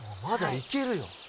まだいけるよ。